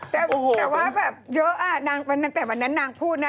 แต่ว่าแบบเยอะตั้งแต่วันนั้นนางพูดนะ